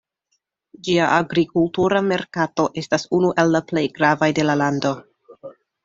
Ĝia agrikultura merkato estas unu el la plej gravaj de la lando.